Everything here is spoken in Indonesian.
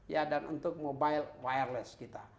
ya dan untuk mobile wireless kita